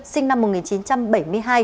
sinh năm một nghìn chín trăm bảy mươi hai